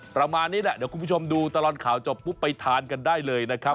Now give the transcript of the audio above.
ประมาณนี้แหละเดี๋ยวคุณผู้ชมดูตลอดข่าวจบปุ๊บไปทานกันได้เลยนะครับ